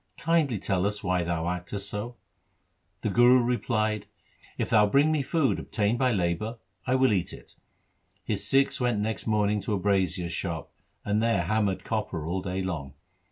Kindly tell us why thou actest so.' The Guru replied, ' If thou bring me food obtained by labour I will eat it.' His Sikhs went next morning to a brazier's shop and there hammered copper all day long.